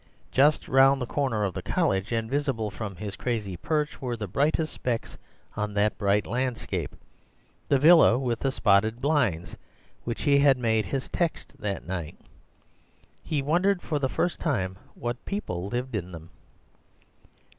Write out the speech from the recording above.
Just round the corner of the College, and visible from his crazy perch, were the brightest specks on that bright landscape, the villa with the spotted blinds which he had made his text that night. He wondered for the first time what people lived in them.